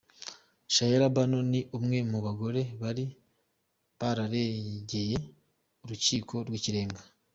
Shayara Bano ni umwe mu bagore bari bararegeye urukiko rw’ikirenga.